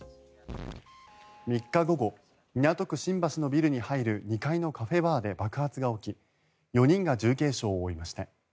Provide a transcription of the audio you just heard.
３日午後、港区新橋のビルに入る２階のカフェバーで爆発が起き４人が重軽傷を負いました。